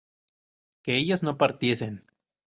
que ellos no partiesen